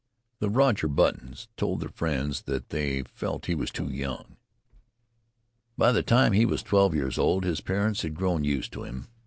The Roger Buttons told their friends that they felt he was too young. By the time he was twelve years old his parents had grown used to him.